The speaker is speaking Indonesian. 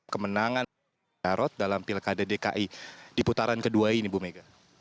kemenangan dari tarot dalam pilkade dki di putaran ke dua ini bu mega